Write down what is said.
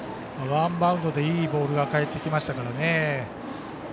ワンバウンドでいいボールが返ってきましたからね。